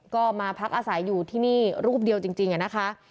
ก็มาพักอาศัยอยู่ที่นี่รูปเดียวจริงนะคะ